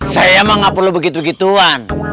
saya mah gak perlu begitu gituan